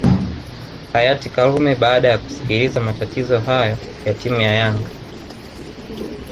hayati karume baada ya kusikiliza matatizo hayo ya timu ya yanga